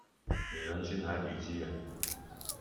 女人心海底雞